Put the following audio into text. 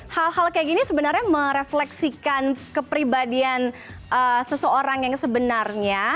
hal hal kayak gini sebenarnya merefleksikan kepribadian seseorang yang sebenarnya